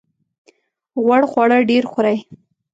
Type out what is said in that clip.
غوړ خواړه ډیر خورئ؟